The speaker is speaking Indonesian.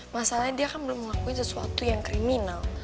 masalahnya dia kan belum mengakui sesuatu yang kriminal